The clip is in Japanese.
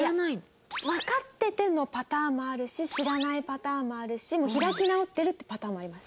わかっててのパターンもあるし知らないパターンもあるしもう開き直ってるってパターンもあります。